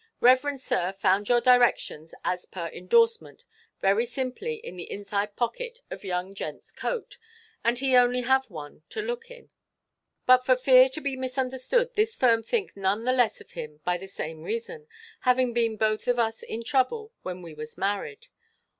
Rev. sir, found your direction as per endorsement very simple in the inside pocket of the young gentʼs coat, and he only have one to look in. But for fear to be misunderstood this firm think none the less of him by the same reason, having been both of us in trouble when we was married.